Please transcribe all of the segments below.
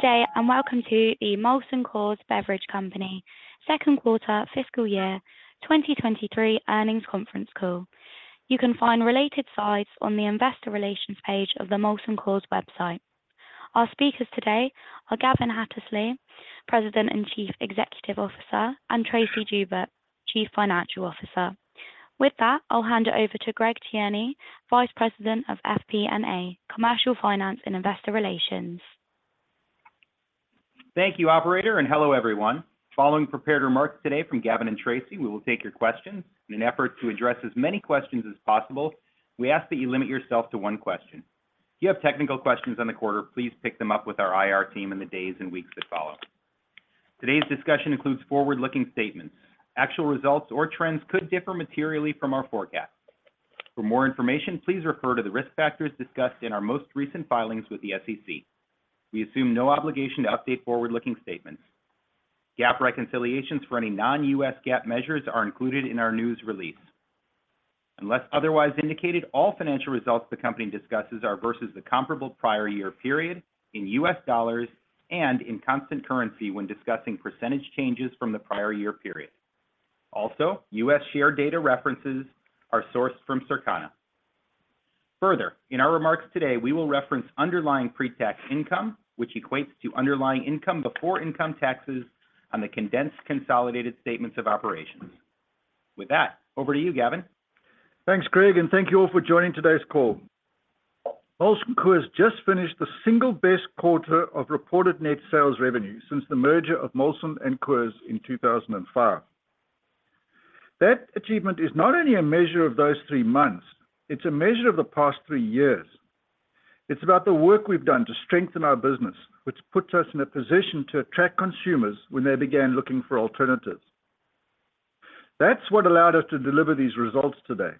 Good day and welcome to the Molson Coors Beverage Company Second Quarter Fiscal Year 2023 Earnings Conference Call. You can find related slides on the Investor Relations page of the Molson Coors website. Our speakers today are Gavin Hattersley, President and Chief Executive Officer, and Tracey Joubert, Chief Financial Officer. With that, I'll hand it over to Greg Tierney, Vice President of FP&A, Commercial Finance, and Investor Relations. Thank you, operator. Hello, everyone. Following prepared remarks today from Gavin and Tracey, we will take your questions. In an effort to address as many questions as possible, we ask that you limit yourself to one question. If you have technical questions on the quarter, please pick them up with our IR team in the days and weeks that follow. Today's discussion includes forward-looking statements. Actual results or trends could differ materially from our forecast. For more information, please refer to the risk factors discussed in our most recent filings with the SEC. We assume no obligation to update forward-looking statements. GAAP reconciliations for any non-US GAAP measures are included in our news release. Unless otherwise indicated, all financial results the Company discusses are versus the comparable prior year period in US dollars and in constant currency when discussing percentage changes from the prior year period. Also, US share data references are sourced from Circana. Further, in our remarks today, we will reference underlying pre-tax income, which equates to underlying income before income taxes on the condensed consolidated statements of operations. With that, over to you, Gavin. Thanks, Greg, thank you all for joining today's call. Molson Coors just finished the single best quarter of reported net sales revenue since the merger of Molson and Coors in 2005. That achievement is not only a measure of those 3 months, it's a measure of the past 3 years. It's about the work we've done to strengthen our business, which puts us in a position to attract consumers when they began looking for alternatives. That's what allowed us to deliver these results today.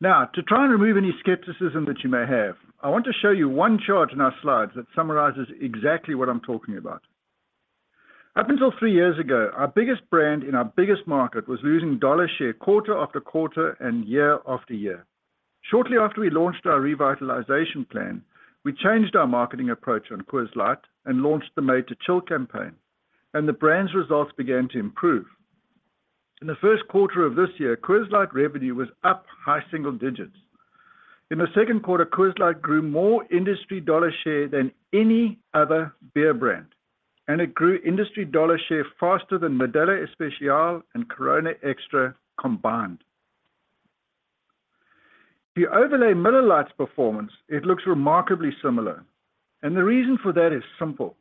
Now, to try and remove any skepticism that you may have, I want to show you 1 chart in our slides that summarizes exactly what I'm talking about. Up until 3 years ago, our biggest brand in our biggest market was losing dollar share quarter-after-quarter and year-after-year. Shortly after we launched our revitalization plan, we changed our marketing approach on Coors Light and launched the Made to Chill campaign, and the brand's results began to improve. In the first quarter of this year, Coors Light revenue was up high single digits. In the second quarter, Coors Light grew more industry dollar share than any other beer brand, and it grew industry dollar share faster than Modelo Especial and Corona Extra combined. If you overlay Miller Lite's performance, it looks remarkably similar, and the reason for that is simple.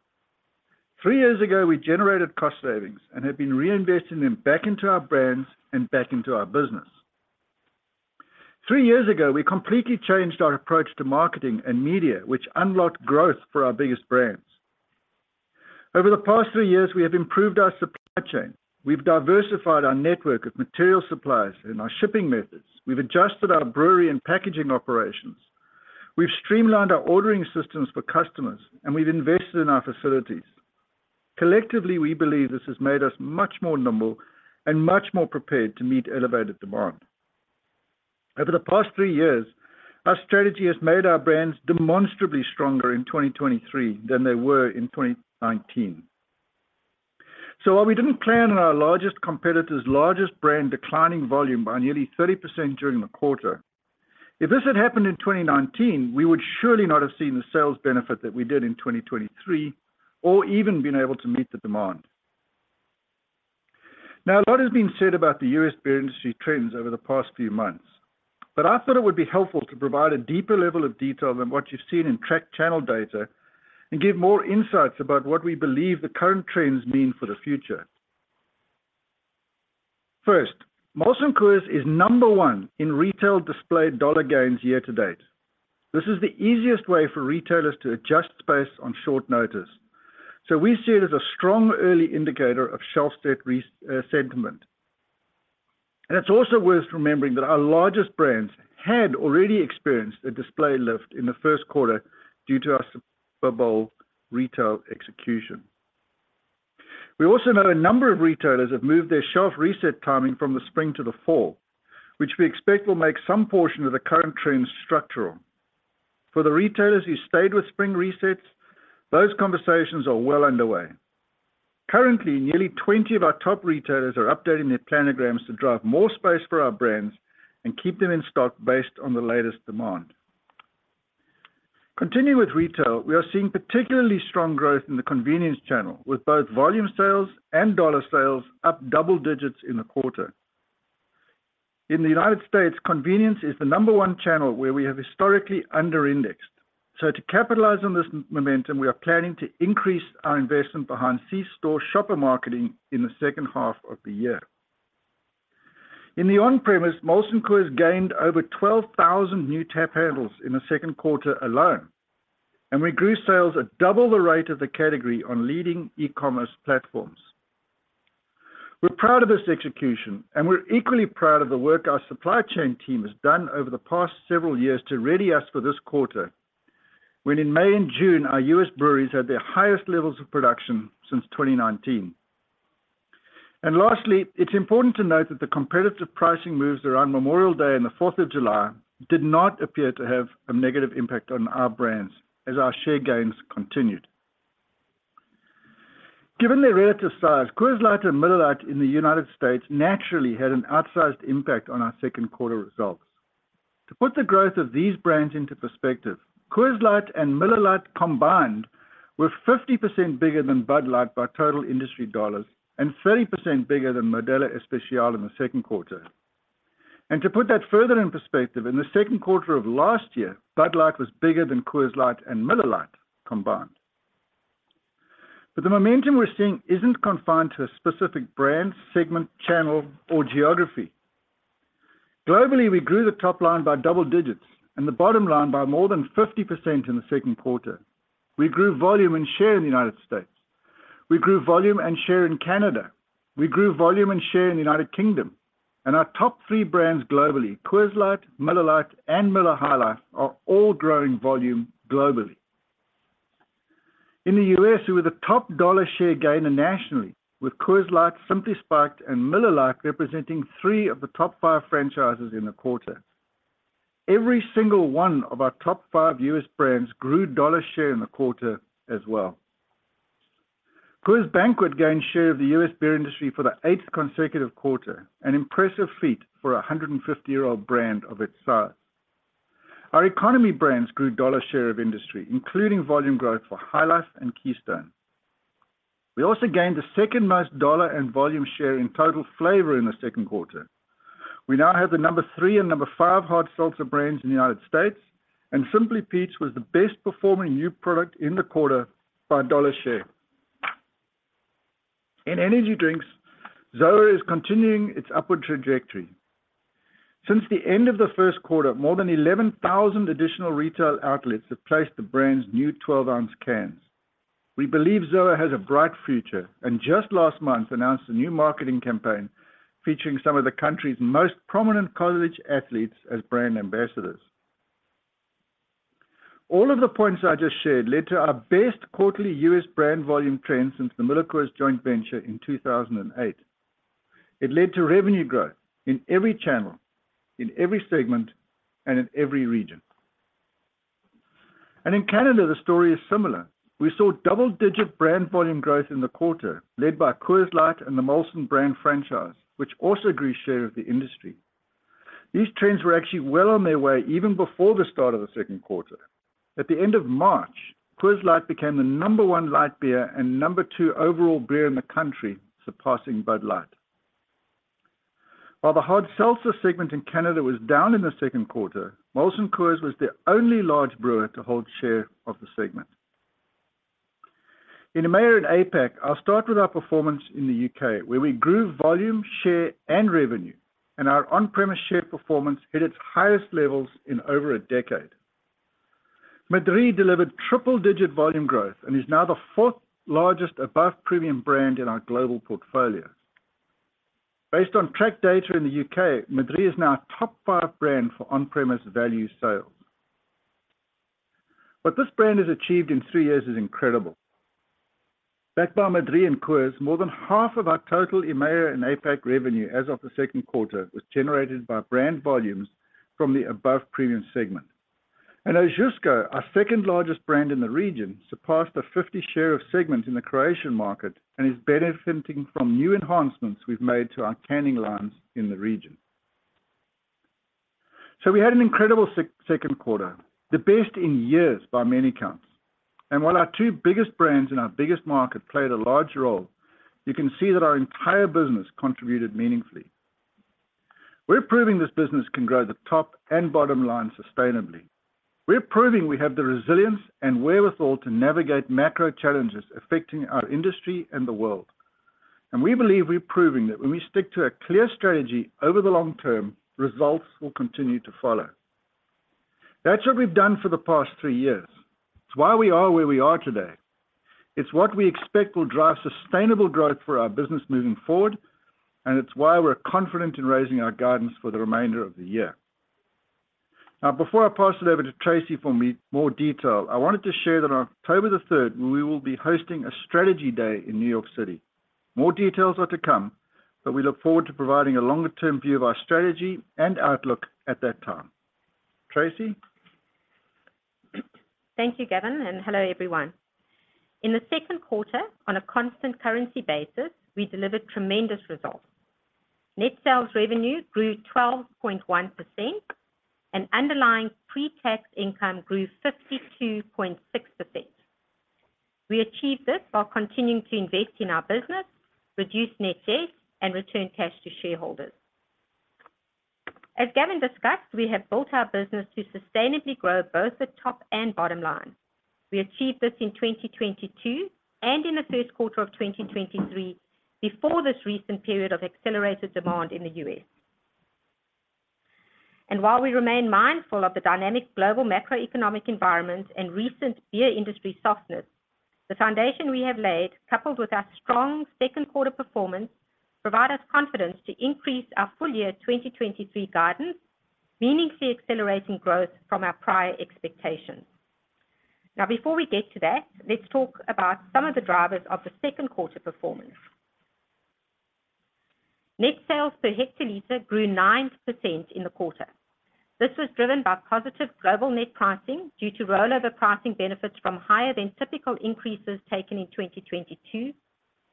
Three years ago, we generated cost savings and have been reinvesting them back into our brands and back into our business. Three years ago, we completely changed our approach to marketing and media, which unlocked growth for our biggest brands. Over the past three years, we have improved our supply chain. We've diversified our network of material suppliers and our shipping methods. We've adjusted our brewery and packaging operations. We've streamlined our ordering systems for customers, and we've invested in our facilities. Collectively, we believe this has made us much more nimble and much more prepared to meet elevated demand. Over the past 3 years, our strategy has made our brands demonstrably stronger in 2023 than they were in 2019. So while we didn't plan on our largest competitor's largest brand declining volume by nearly 30% during the quarter, if this had happened in 2019, we would surely not have seen the sales benefit that we did in 2023, or even been able to meet the demand. A lot has been said about the U.S. beer industry trends over the past few months, but I thought it would be helpful to provide a deeper level of detail than what you've seen in track channel data and give more insights about what we believe the current trends mean for the future. First, Molson Coors is number one in retail displayed dollar gains year-to-date. This is the easiest way for retailers to adjust space on short notice. We see it as a strong early indicator of shelf [reset] sentiment. It's also worth remembering that our largest brands had already experienced a display lift in the first quarter due to our Super Bowl retail execution. We also know a number of retailers have moved their shelf reset timing from the spring to the fall, which we expect will make some portion of the current trends structural. For the retailers who stayed with spring resets, those conversations are well underway. Currently, nearly 20 of our top retailers are updating their planograms to drive more space for our brands and keep them in stock based on the latest demand. Continuing with retail, we are seeing particularly strong growth in the convenience channel, with both volume sales and dollar sales up double digits in the quarter. In the United States, convenience is the number 1 channel where we have historically under-indexed. To capitalize on this momentum, we are planning to increase our investment behind C-store shopper marketing in the second half of the year. In the on-premise, Molson Coors gained over 12,000 new tap handles in the second quarter alone, and we grew sales at double the rate of the category on leading e-commerce platforms. We're proud of this execution, and we're equally proud of the work our supply chain team has done over the past several years to ready us for this quarter, when in May and June, our U.S. breweries had their highest levels of production since 2019. And lastly, it's important to note that the competitive pricing moves around Memorial Day and the Fourth of July did not appear to have a negative impact on our brands, as our share gains continued. Given their relative size, Coors Light and Miller Lite in the United States naturally had an outsized impact on our second quarter results. To put the growth of these brands into perspective, Coors Light and Miller Lite combined were 50% bigger than Bud Light by total industry dollars, and 30% bigger than Modelo Especial in the second quarter. To put that further in perspective, in the second quarter of last year, Bud Light was bigger than Coors Light and Miller Lite combined. The momentum we're seeing isn't confined to a specific brand, segment, channel, or geography. Globally, we grew the topline by double digits and the bottomline by more than 50% in the second quarter. We grew volume and share in the United States. We grew volume and share in Canada. We grew volume and share in the United Kingdom. And our top three brands globally, Coors Light, Miller Lite, and Miller High Life are all growing volume globally. In the U.S., we were the top dollar share gainer nationally, with Coors Light, Simply Spiked, and Miller Lite representing 3 of the top 5 franchises in the quarter. Every single one of our top 5 U.S. brands grew dollar share in the quarter as well. Coors Banquet gained share of the U.S. beer industry for the 8th consecutive quarter, an impressive feat for a 150-year-old brand of its size. Our economy brands grew dollar share of industry, including volume growth for High Life and Keystone. We also gained the second-most dollar and volume share in total flavor in the second quarter. We now have the number three and number five Hard Seltzer brands in the United States, and Simply Peach was the best performing new product in the quarter by dollar share. In energy drinks, ZOA is continuing its upward trajectory. Since the end of the first quarter, more than 11,000 additional retail outlets have placed the brand's new 12-ounce cans. We believe -- Just last month announced a new marketing campaign featuring some of the country's most prominent college athletes as brand ambassadors. All of the points I just shared led to our best quarterly U.S. brand volume trend since the MillerCoors joint venture in 2008. It led to revenue growth in every channel, in every segment, and in every region. In Canada, the story is similar. We saw double-digit brand volume growth in the quarter, led by Coors Light and the Molson brand franchise, which also grew share of the industry. These trends were actually well on their way even before the start of the second quarter. At the end of March, Coors Light became the number one light beer and number two overall beer in the country, surpassing Bud Light. While the Hard Seltzer segment in Canada was down in the second quarter, Molson Coors was the only large brewer to hold share of the segment. In EMEA and APAC, I'll start with our performance in the U.K., where we grew volume, share, and revenue, and our on-premise share performance hit its highest levels in over a decade. Madrí delivered triple-digit volume growth and is now the fourth largest above-premium brand in our global portfolio. Based on track data in the U.K, Madrí is now a top five brand for on-premise value sales. hat this brand has achieved in three years is incredible. Backed by Madri and Coors, more than half of our total EMEA and APAC revenue as of the second quarter, was generated by brand volumes from the above-premium segment. Ožujsko, our second-largest brand in the region, surpassed a 50 share of segment in the Croatian market and is benefiting from new enhancements we've made to our canning lines in the region. So we had an incredible second quarter, the best in years by many counts. While our two biggest brands in our biggest market played a large role, you can see that our entire business contributed meaningfully. We're proving this business can grow the top and bottomline sustainably. We're proving we have the resilience and wherewithal to navigate macro challenges affecting our industry and the world. And we believe we're proving that when we stick to a clear strategy over the long term, results will continue to follow. That's what we've done for the past three years. It's why we are where we are today. It's what we expect will drive sustainable growth for our business moving forward, and it's why we're confident in raising our guidance for the remainder of the year. Now, before I pass it over to Tracey for more detail, I wanted to share that on October 3rd, we will be hosting a strategy day in New York City. More details are to come, but we look forward to providing a longer-term view of our strategy and outlook at that time. Tracey? Thank you, Gavin. Hello, everyone. In the second quarter, on a constant currency basis, we delivered tremendous results. Net sales revenue grew 12.1%. Underlying pre-tax income grew 52.6%. We achieved this while continuing to invest in our business, reduce net debt, and return cash to shareholders. As Gavin discussed, we have built our business to sustainably grow both the top and bottomline. We achieved this in 2022 and in the first quarter of 2023, before this recent period of accelerated demand in the U.S. While we remain mindful of the dynamic global macroeconomic environment and recent beer industry softness, the foundation we have laid, coupled with our strong second quarter performance, provide us confidence to increase our full year 2023 guidance, meaningfully accelerating growth from our prior expectations. Before we get to that, let's talk about some of the drivers of the second quarter performance. Net sales per hectoliter grew 9% in the quarter. This was driven by positive global net pricing due to rollover pricing benefits from higher than typical increases taken in 2022,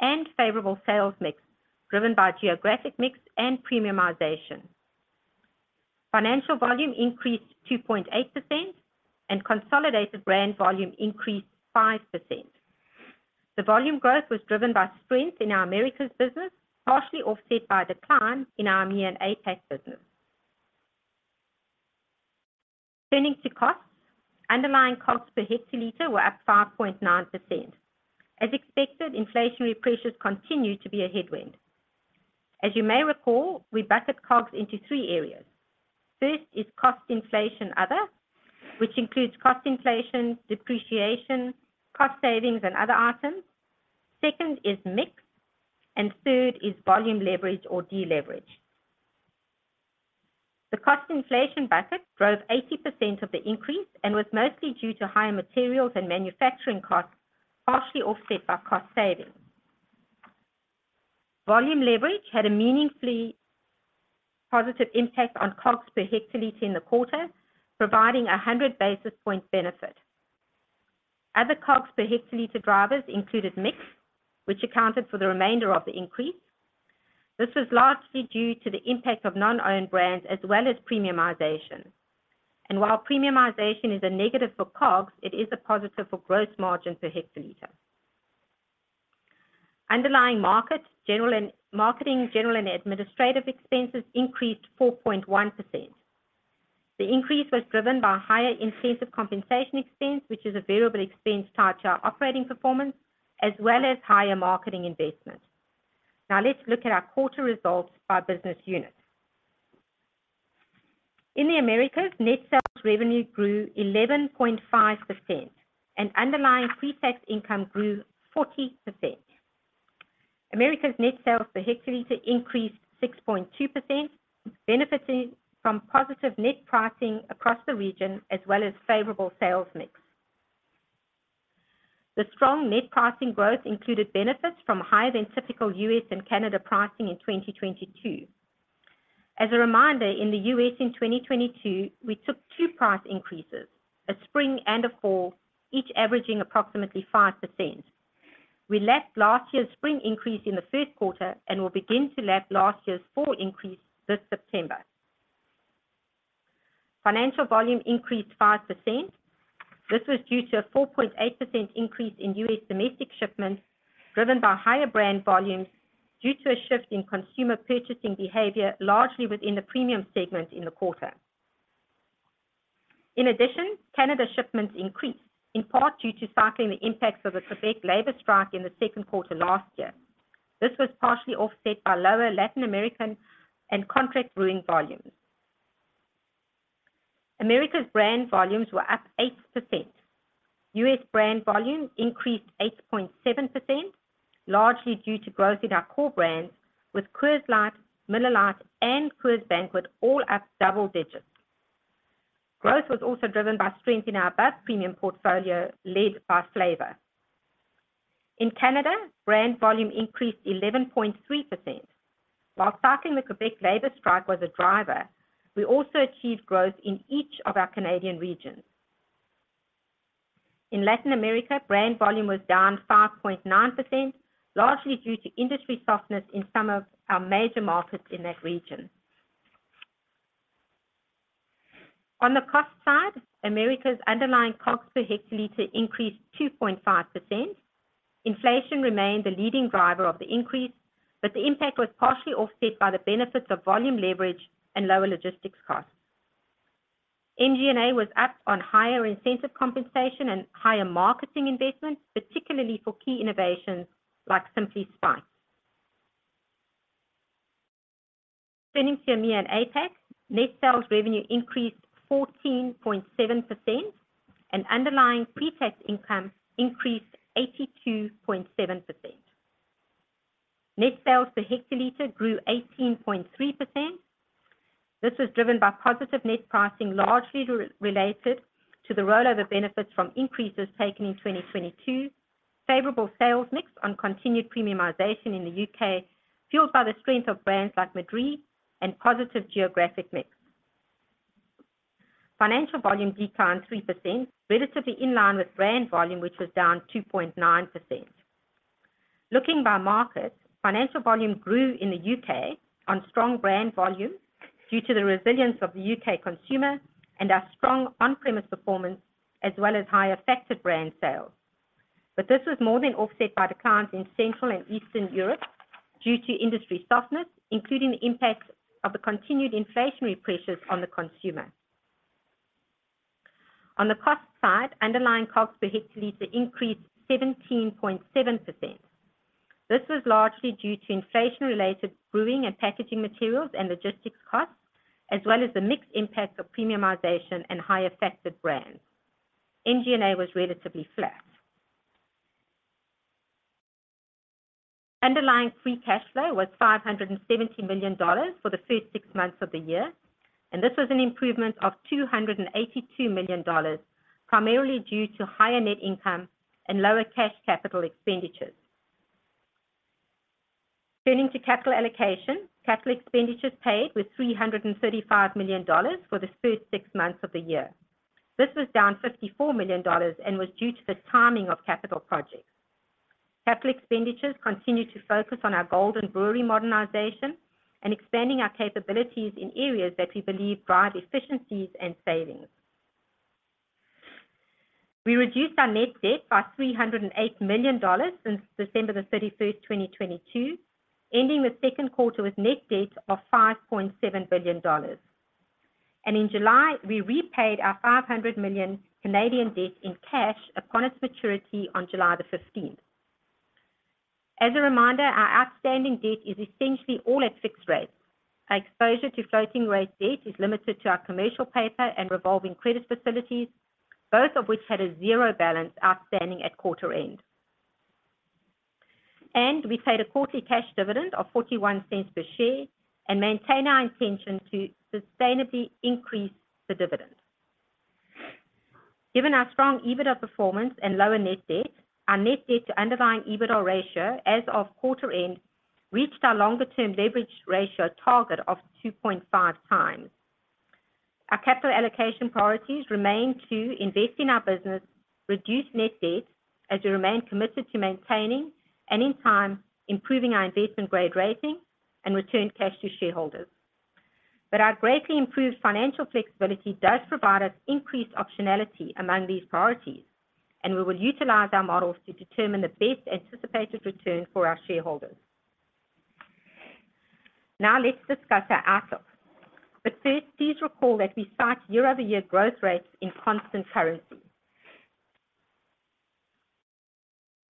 and favorable sales mix, driven by geographic mix and premiumization. Financial volume increased 2.8%, and consolidated brand volume increased 5%. The volume growth was driven by strength in our Americas business, partially offset by decline in our EMEA and APAC business. Turning to costs, underlying costs per hectoliter were up 5.9%. As expected, inflationary pressures continue to be a headwind. As you may recall, we bucket COGS into three areas. First is cost inflation, other, which includes cost inflation, depreciation, cost savings, and other items. Second is mix, and third is volume leverage or deleverage. The cost inflation bucket drove 80% of the increase and was mostly due to higher materials and manufacturing costs, partially offset by cost savings. Volume leverage had a meaningfully positive impact on COGS per hectoliter in the quarter, providing a 100 basis point benefit. Other COGS per hectoliter drivers included mix, which accounted for the remainder of the increase. This was largely due to the impact of non-owned brands as well as premiumization. While premiumization is a negative for COGS, it is a positive for gross margin per hectoliter. Underlying market, general and -- marketing, general and administrative expenses increased 4.1%. The increase was driven by higher incentive compensation expense, which is a variable expense tied to our operating performance, as well as higher marketing investments. Now let's look at our quarter results by business unit. In the Americas, net sales revenue grew 11.5% and underlying pre-tax income grew 40%. Americas net sales per hectoliter increased 6.2%, benefiting from positive net pricing across the region, as well as favorable sales mix. The strong net pricing growth included benefits from higher than typical U.S. and Canada pricing in 2022. As a reminder, in the U.S. in 2022, we took 2 price increases, a spring and a fall, each averaging approximately 5%. We lapped last year's spring increase in the first quarter and will begin to lap last year's fall increase this September. Financial volume increased 5%. This was due to a 4.8% increase in U.S. domestic shipments, driven by higher brand volumes due to a shift in consumer purchasing behavior, largely within the premium segment in the quarter. In addition, Canada shipments increased, in part due to cycling the impacts of the Quebec labor strike in the second quarter last year. This was partially offset by lower Latin American and contract brewing volumes. America's brand volumes were up 8%. U.S. brand volumes increased 8.7%, largely due to growth in our core brands, with Coors Light, Miller Lite and Coors Banquet all up double digits. Growth was also driven by strength in our above-premium portfolio, led by Flavor. In Canada, brand volume increased 11.3%. While cycling the Quebec labor strike was a driver, we also achieved growth in each of our Canadian regions. In Latin America, brand volume was down 5.9%, largely due to industry softness in some of our major markets in that region. On the cost side, America's underlying COGS per hectoliter increased 2.5%. Inflation remained the leading driver of the increase, the impact was partially offset by the benefits of volume leverage and lower logistics costs. MG&A was up on higher incentive compensation and higher marketing investments, particularly for key innovations like Simply Spiked. Turning to EMEA and APAC, net sales revenue increased 14.7%, and underlying pre-tax income increased 82.7%. Net sales per hectoliter grew 18.3%. This was driven by positive net pricing, largely re-related to the rollover benefits from increases taken in 2022, favorable sales mix on continued premiumization in the U.K., fueled by the strength of brands like Madrí and positive geographic mix. Financial volume declined 3%, relatively in line with brand volume, which was down 2.9%. Looking by market, financial volume grew in the U.K. on strong brand volumes due to the resilience of the U.K. consumer and our strong on-premise performance, as well as higher [factored] brand sales. This was more than offset by declines in Central and Eastern Europe due to industry softness, including the impact of the continued inflationary pressures on the consumer. On the cost side, underlying COGS per hectoliter increased 17.7%. This was largely due to inflation-related brewing and packaging materials and logistics costs, as well as the mixed impact of premiumization and higher factored brands. MG&A was relatively flat. Underlying free cash flow was $570 million for the first six months of the year, and this was an improvement of $282 million, primarily due to higher net income and lower cash capital expenditures. urning to capital allocation. Capital expenditures paid was $335 million for the first six months of the year. This was down $54 million and was due to the timing of capital projects. Capital expenditures continued to focus on our Golden Brewery modernization, and expanding our capabilities in areas that we believe drive efficiencies and savings. We reduced our net debt by $308 million since December 31st, 2022, ending the second quarter with net debt of $5.7 billion. In July, we repaid our 500 million Canadian debt in cash upon its maturity on July 15. As a reminder, our outstanding debt is essentially all at fixed rates. Our exposure to floating rate debt is limited to our commercial paper and revolving credit facilities, both of which had a 0 balance outstanding at quarter end. And we paid a quarterly cash dividend of $0.41 per share, and maintain our intention to sustainably increase the dividend. Given our strong EBITDA performance and lower net debt, our net debt to underlying EBITDA ratio, as of quarter end, reached our longer-term leverage ratio target of 2.5x. Our capital allocation priorities remain to invest in our business, reduce net debt as we remain committed to maintaining and in time, improving our investment grade rating and return cash to shareholders. Our greatly improved financial flexibility does provide us increased optionality among these priorities, and we will utilize our models to determine the best anticipated return for our shareholders. Now let's discuss our outlook. First, please recall that we cite year-over-year growth rates in constant currency.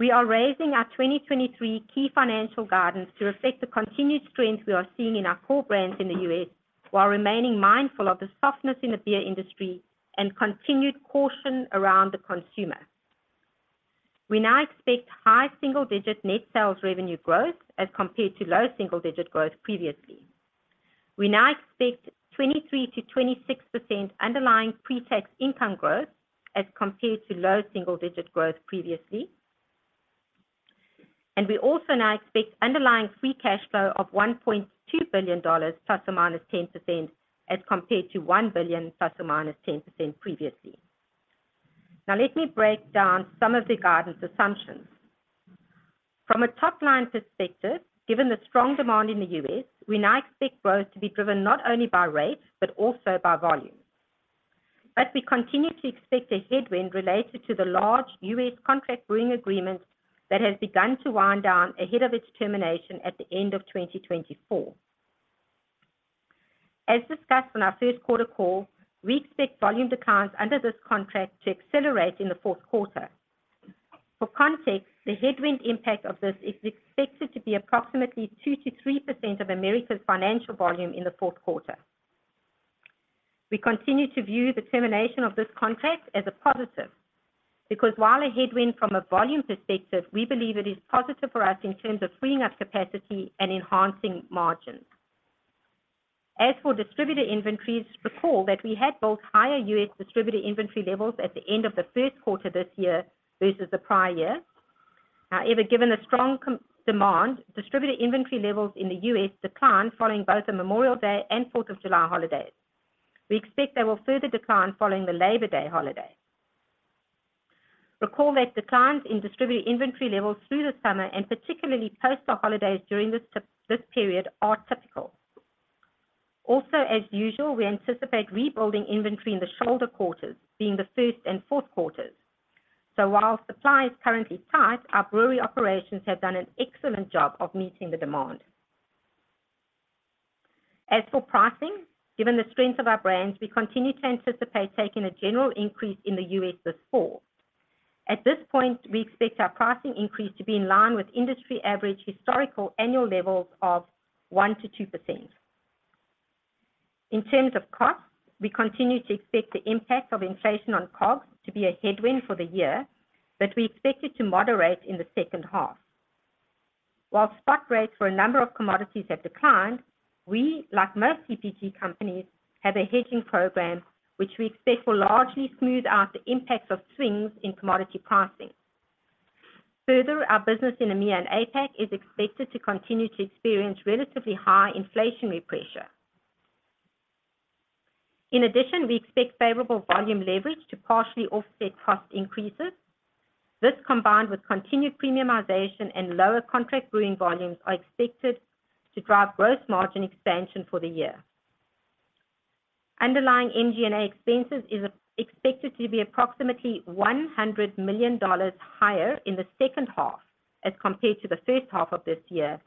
We are raising our 2023 key financial guidance to reflect the continued strength we are seeing in our core brands in the U.S., while remaining mindful of the softness in the beer industry and continued caution around the consumer. We now expect high single-digit net sales revenue growth as compared to low double-digit growth previously. We now expect 23%-26% underlying pre-tax income growth as compared to low single-digit growth previously. And we also now expect underlying free cash flow of $1.2 billion ±10%, as compared to $1 billion ±10% previously. Now, let me break down some of the guidance assumptions. From a topline perspective, given the strong demand in the U.S., we now expect growth to be driven not only by rates, but also by volume. We continue to expect a headwind related to the large U.S. contract brewing agreement that has begun to wind down ahead of its termination at the end of 2024. As discussed on our first quarter call, we expect volume declines under this contract to accelerate in the fourth quarter. For context, the headwind impact of this is expected to be approximately 2%-3% of Americas financial volume in the fourth quarter. We continue to view the termination of this contract as a positive, because while a headwind from a volume perspective, we believe it is positive for us in terms of freeing up capacity and enhancing margins. As for distributor inventories, recall that we had both higher U.S. distributor inventory levels at the end of the first quarter this year versus the prior year. However, given the strong demand, distributor inventory levels in the U.S. declined following both the Memorial Day and Fourth of July holidays. We expect they will further decline following the Labor Day holiday. Recall that declines in distributor inventory levels through the summer, and particularly post the holidays during this period, are typical. Also, as usual, we anticipate rebuilding inventory in the shoulder quarters being the first and fourth quarters. While supply is currently tight, our brewery operations have done an excellent job of meeting the demand. As for pricing, given the strength of our brands, we continue to anticipate taking a general increase in the U.S. this fall. At this point, we expect our pricing increase to be in line with industry average historical annual levels of 1%-2%. In terms of costs, we continue to expect the impact of inflation on COGS to be a headwind for the year, but we expect it to moderate in the second half. While spot rates for a number of commodities have declined, we, like most CPG companies, have a hedging program, which we expect will largely smooth out the impacts of swings in commodity pricing. Further, our business in EMEA and APAC is expected to continue to experience relatively high inflationary pressure. In addition, we expect favorable volume leverage to partially offset cost increases. This, combined with continued premiumization and lower contract brewing volumes, are expected to drive gross margin expansion for the year. Underlying MG&A expenses is expected to be approximately $100 million higher in the second half as compared to the first half of this year,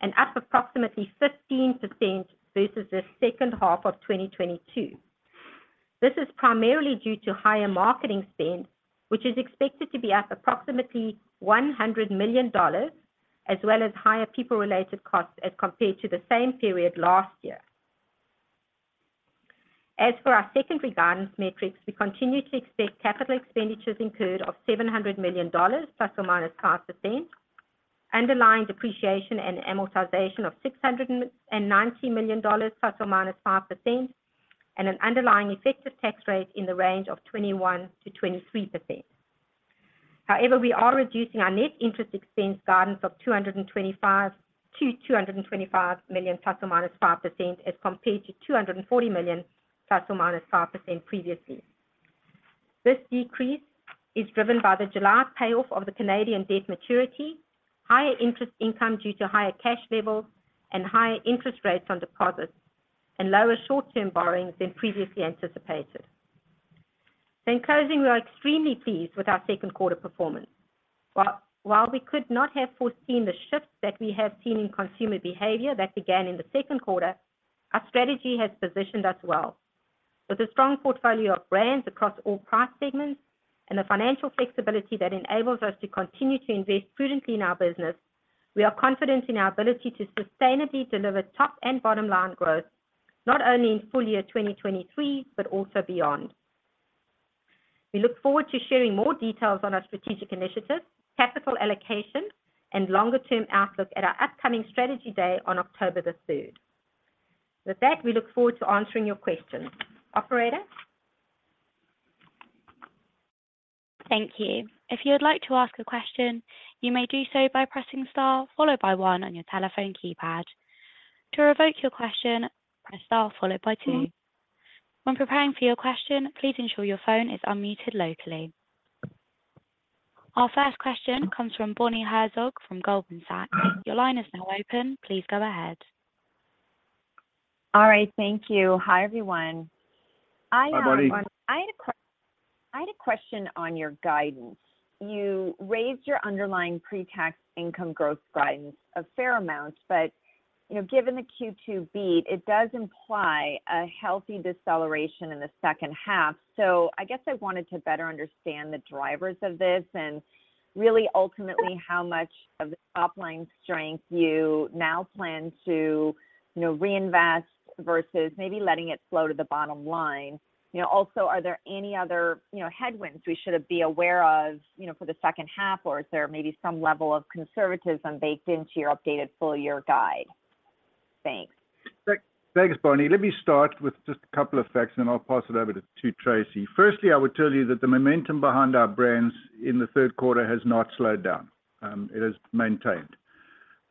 and up approximately 15% versus the second half of 2022. This is primarily due to higher marketing spend, which is expected to be up approximately $100 million, as well as higher people-related costs as compared to the same period last year. As for our secondary guidance metrics, we continue to expect capital expenditures incurred of $700 million ±5%, underlying depreciation and amortization of $690 million ±5%, and an underlying effective tax rate in the range of 21%-23%. However, we are reducing our net interest expense guidance of $225 million ±5% as compared to $240 million ±5% previously. This decrease is driven by the July payoff of the Canadian debt maturity, higher interest income due to higher cash levels and higher interest rates on deposits, and lower short-term borrowings than previously anticipated. In closing, we are extremely pleased with our second quarter performance. While we could not have foreseen the shifts that we have seen in consumer behavior that began in the second quarter, our strategy has positioned us well. With a strong portfolio of brands across all price segments and the financial flexibility that enables us to continue to invest prudently in our business, we are confident in our ability to sustainably deliver top and bottomline growth, not only in full year 2023, but also beyond. We look forward to sharing more details on our strategic initiatives, capital allocation, and longer-term outlook at our upcoming Strategy Day on October 3rd. With that, we look forward to answering your questions. Operator? Thank you. If you would like to ask a question, you may do so by pressing star followed by one on your telephone keypad. To revoke your question, press star followed by two. When preparing for your question, please ensure your phone is unmuted locally. Our first question comes from Bonnie Herzog from Goldman Sachs. Your line is now open. Please go ahead. All right, thank you. Hi, everyone. Hi, Bonnie. I had a question on your guidance. You raised your underlying pre-tax income growth guidance a fair amount. But, you know, given the Q2 beat, it does imply a healthy deceleration in the second half. So, I guess I wanted to better understand the drivers of this and really ultimately how much of the topline strength you now plan to, you know, reinvest versus maybe letting it flow to the bottomline. You know, also, are there any other, you know, headwinds we should be aware of, you know, for the second half, or is there maybe some level of conservatism baked into your updated full year guide? Thanks. Thanks, Bonnie. Let me start with just a couple of facts, and then I'll pass it over to Tracey. Firstly, I would tell you that the momentum behind our brands in the third quarter has not slowed down. It has maintained.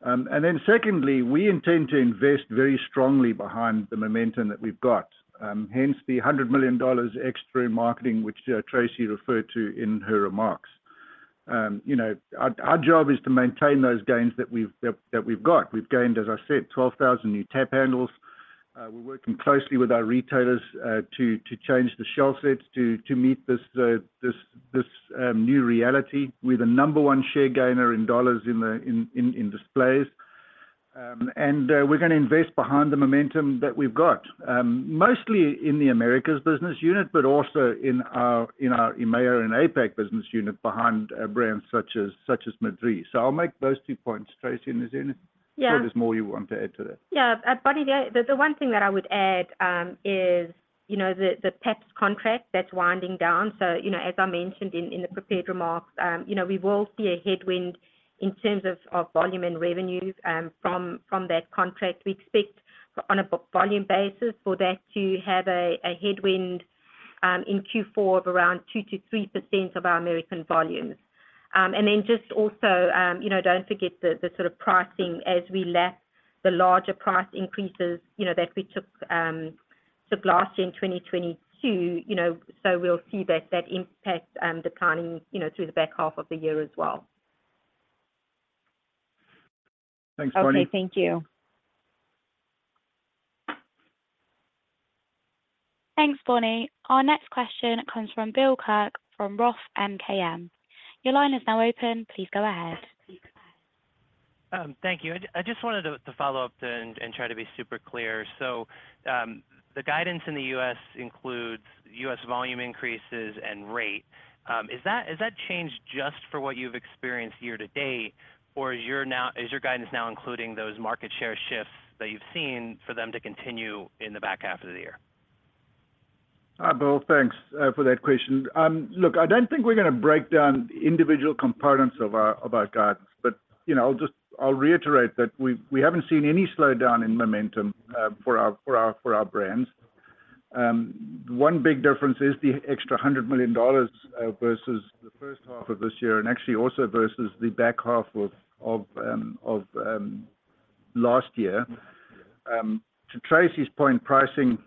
And then secondly, we intend to invest very strongly behind the momentum that we've got, hence the $100 million extra in marketing, which Tracey referred to in her remarks. You know, our job is to maintain those gains that we've got. We've gained, as I said, 12,000 new tap handles. We're working closely with our retailers to change the shelf sets to meet this new reality. We're the number one share gainer in dollars in the displays. We're gonna invest behind the momentum that we've got, mostly in the Americas business unit, but also in our EMEA and APAC business unit behind, brands such as Madri. So I'll make those two points. Tracey, and if there is -- there's more you want to add to that? Yeah. Bonnie, the one thing that I would add is, you know, the Pabst contract that's winding down. So, you know, as I mentioned in the prepared remarks, you know, we will see a headwind in terms of volume and revenues from that contract. We expect on a volume basis for that to have a headwind in Q4 of around 2%-3% of our American volumes. And then just also, you know, don't forget the sort of pricing as we lap the larger price increases, you know, that we took last year in 2022, you know, we'll see that, that impact declining, you know, through the back half of the year as well. Thanks, Bonnie. Okay. Thank you. Thanks, Bonnie. Our next question comes from Bill Kirk from ROTH MKM. Your line is now open. Please go ahead. Thank you. I just wanted to, to follow up and, and try to be super clear. So, the guidance in the U.S. includes U.S. volume increases and rate. Is that, is that changed just for what you've experienced year-to-date, or is your guidance now, including those market share shifts that you've seen for them to continue in the back half of the year? Hi, Bill. Thanks for that question. Look, I don't think we're gonna break down individual components of our guidance, but, you know, I'll just -- I'll reiterate that we haven't seen any slowdown in momentum for our brands. One big difference is the extra $100 million versus the first half of this year, and actually also versus the back half of, of last year. To Tracey's point, pricing,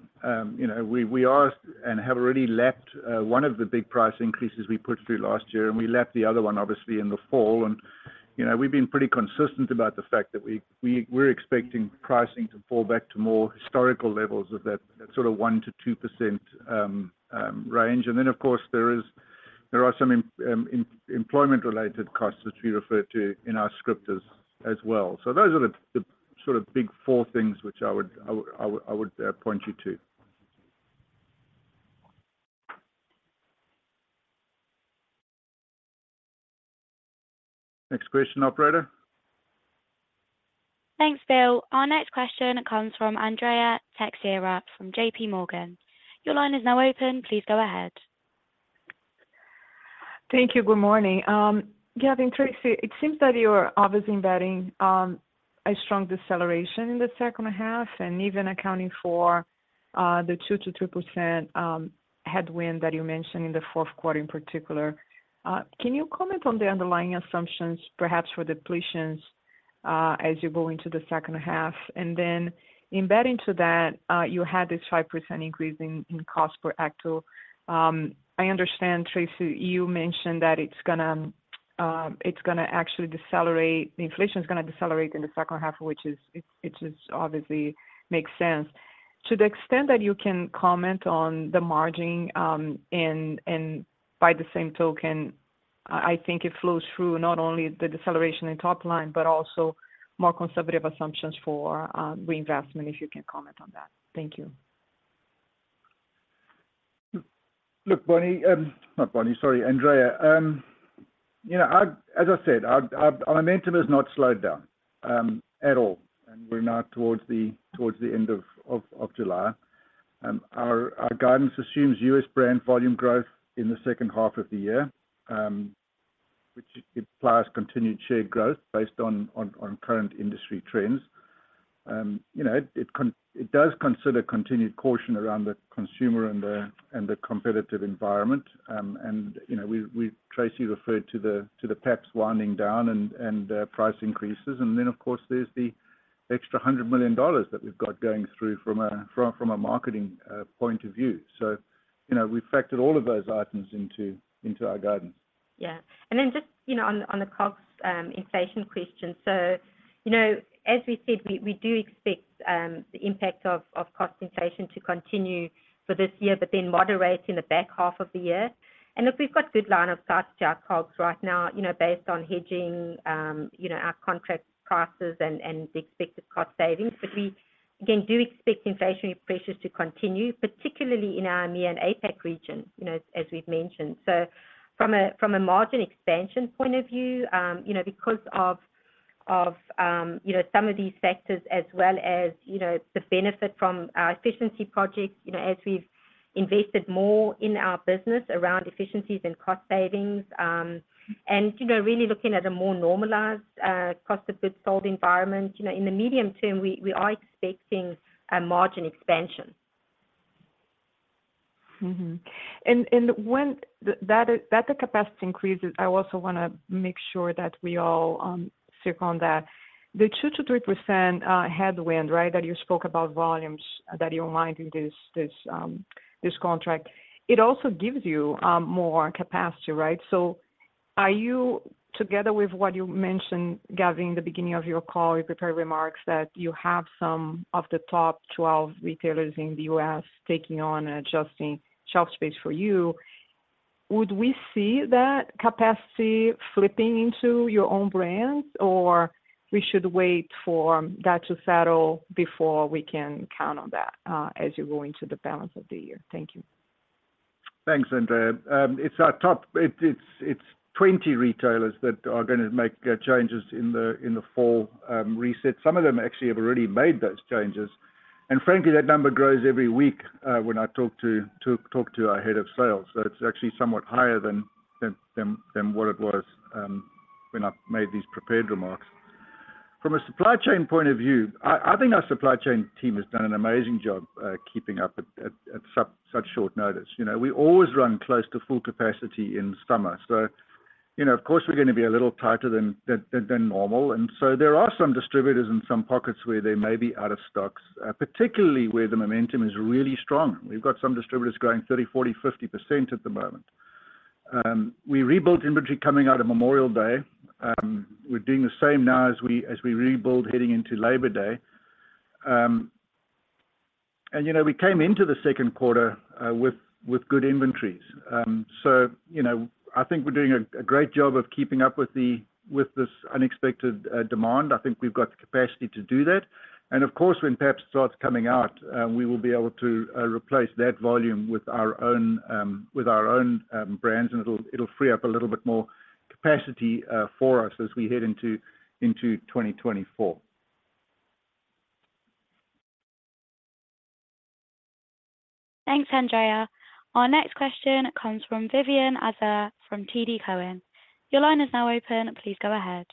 you know, we are and have already lapped one of the big price increases we put through last year, and we lapped the other one, obviously, in the fall. You know, we've been pretty consistent about the fact that we're expecting pricing to fall back to more historical levels of that, sort of 1%-2% range. Then, of course, there is, there are some employment-related costs, which we refer to in our script as well. So, those are the sort of big four things which I would point you to. Next question, operator. Thanks, Bill. Our next question comes from Andrea Teixeira from JPMorgan. Your line is now open. Please go ahead. Thank you. Good morning. Gavin, Tracey, it seems that you are obviously embedding a strong deceleration in the second half, and even accounting for the 2%-3% headwind that you mentioned in the fourth quarter in particular. Can you comment on the underlying assumptions, perhaps for depletions, as you go into the second half? And then embedding to that, you had this 5% increase in cost per hecto. I understand, Tracey, you mentioned that it's gonna actually decelerate -- the inflation is gonna decelerate in the second half, which is, it is obviously makes sense. To the extent that you can comment on the margin, and by the same token, I, I think it flows through not only the deceleration in topline, but also more conservative assumptions for reinvestment, if you can comment on that? Thank you. Look, Bonnie, not Bonnie, sorry, Andrea. You know, as I said, our momentum has not slowed down at all, and we're now towards the end of July. Our guidance assumes U.S. brand volume growth in the second half of the year, which implies continued share growth based on current industry trends. You know, it does consider continued caution around the consumer and the competitive environment. And, you know, we Tracey referred to the Pabst winding down and the price increases. Then, of course, there's the extra $100 million that we've got going through from a marketing point of view. You know, we've factored all of those items into our guidance. Yeah. Then just, you know, on the cost inflation question. So, as we said, we do expect the impact of cost inflation to continue for this year, but then moderate in the back half of the year. Look, we've got good line of sight to our costs right now, you know, based on hedging, our contract prices and the expected cost savings. We, again, do expect inflationary pressures to continue, particularly in our EMEA and APAC region, as we've mentioned. So, from a margin expansion point of view, you know, because of some of these factors as well as, you know, the benefit from our efficiency projects, you know, as we've invested more in our business around efficiencies and cost savings, and, you know, really looking at a more normalized cost of goods sold environment, you know, in the medium term, we are expecting a margin expansion. Mm-hmm. When that the capacity increases, I also wanna make sure that we all stick on that. The 2%-3% headwind, right, that you spoke about volumes, that you remind in this, this contract, it also gives you more capacity, right? Are you, together with what you mentioned, Gavin, in the beginning of your call, you prepared remarks that you have some of the top 12 retailers in the U.S. taking on adjusting shelf space for you, would we see that capacity flipping into your own brands, or we should wait for that to settle before we can count on that as you go into the balance of the year? Thank you. Thanks, Andrea. It's our top -- it's 20 retailers that are gonna make changes in the fall reset. Some of them actually have already made those changes. Frankly, that number grows every week, when I talk to our head of sales. It's actually somewhat higher than what it was, when I made these prepared remarks. From a supply chain point of view, I, I think our supply chain team has done an amazing job, keeping up at such short notice. You know, we always run close to full capacity in summer. So, you know, of course, we're gonna be a little tighter than normal. And so there are some distributors in some pockets where they may be out of stocks, particularly where the momentum is really strong. We've got some distributors growing 30%-40%-50% at the moment. We rebuilt inventory coming out of Memorial Day. We're doing the same now as we rebuild, heading into Labor Day. You know, we came into the second quarter with good inventories. So, you know, I think we're doing a great job of keeping up with this unexpected demand. I think we've got the capacity to do that. Of course, when Pabst starts coming out, we will be able to replace that volume with our own brands, and it'll free up a little bit more capacity for us as we head into 2024. Thanks, Andrea. Our next question comes from Vivien Azer from TD Cowen. Your line is now open. Please go ahead.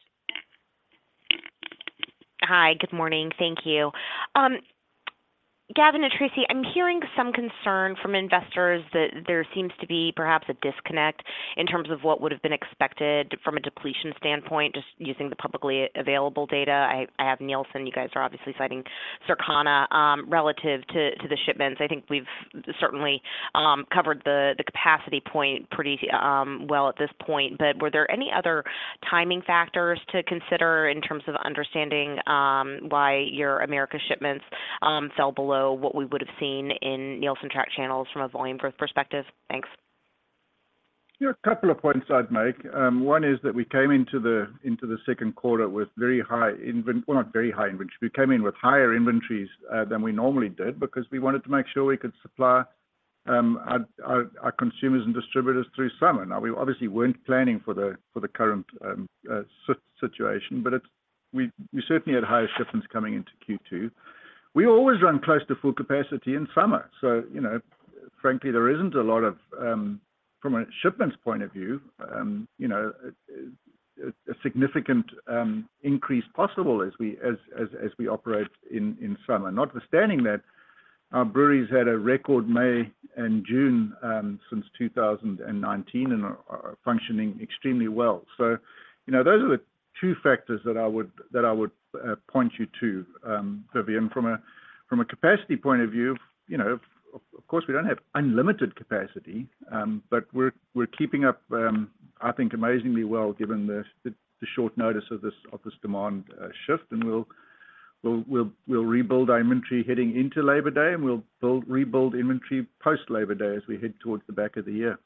Hi, good morning. Thank you. Gavin and Tracey, I'm hearing some concern from investors that there seems to be perhaps a disconnect in terms of what would have been expected from a depletion standpoint, just using the publicly available data. I have Nielsen, you guys are obviously citing Circana, relative to, to the shipments. I think we've certainly covered the capacity point pretty well at this point. Were there any other timing factors to consider in terms of understanding why your Americas shipments fell below what we would have seen in Nielsen track channels from a volume growth perspective? Thanks. Yeah, a couple of points I'd make. one is that we came into the second quarter with very high -- well, not very high inventory. We came in with higher inventories than we normally did because we wanted to make sure we could supply our consumers and distributors through summer. Now, we obviously weren't planning for the current situation, but it's -- we certainly had higher shipments coming into Q2. We always run close to full capacity in summer, so, you know, frankly, there isn't a lot of from a shipments point of view, you know, a significant increase possible as we operate in summer. Notwithstanding that, our breweries had a record May and June since 2019, and are functioning extremely well. So, you know, those are the two factors that I would point you to, Vivien, from a capacity point of view, you know, of course, we don't have unlimited capacity, but we're keeping up, I think amazingly well, given the short notice of this demand shift. We'll, rebuild our inventory heading into Labor Day, and we'll build -- rebuild inventory post Labor Day as we head towards the back of the year.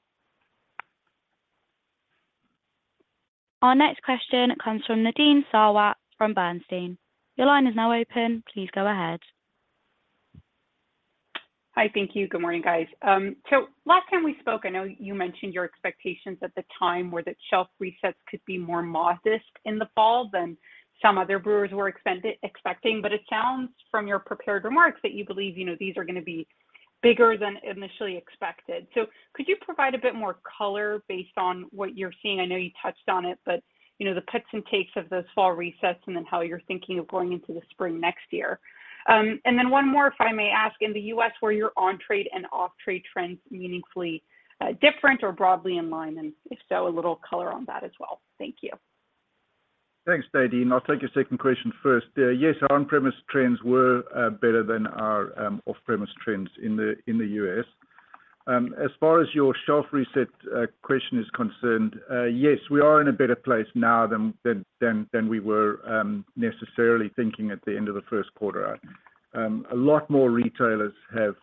Our next question comes from Nadine Sarwat from Bernstein. Your line is now open, please go ahead. Hi. Thank you. Good morning, guys. Last time we spoke, I know you mentioned your expectations at the time, were that shelf resets could be more modest in the fall than some other brewers were expecting. It sounds from your prepared remarks, that you believe, you know, these are gonna be bigger than initially expected. Could you provide a bit more color based on what you're seeing? I know you touched on it, but, you know, the puts and takes of those fall resets, and then how you're thinking of going into the spring next year? One more, if I may ask, in the U.S., were your on-trade and off-trade trends meaningfully different or broadly in line? If so, a little color on that as well. Thank you. Thanks, Nadine. I'll take your second question first. Yes, our on-premise trends were better than our off-premise trends in the U.S. As far as your shelf reset question is concerned, yes, we are in a better place now than we were necessarily thinking at the end of the first quarter. A lot more retailers have